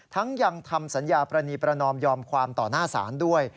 ยังทำสัญญาปรณีประนอมยอมความต่อหน้าศาลด้วย